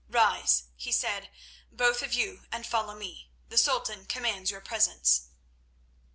"Rise," he said, "both of you, and follow me. The Sultan commands your presence."